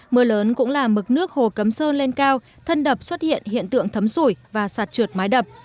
mưa lớn cũng làm mực nước hồ cấm sơn lên cao thân đập xuất hiện hiện tượng thấm sủi và sạt trượt mái đập